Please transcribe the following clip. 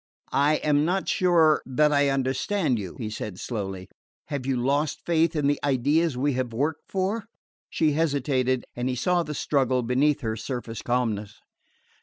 "I am not sure that I understand you," he said slowly. "Have you lost faith in the ideas we have worked for?" She hesitated, and he saw the struggle beneath her surface calmness.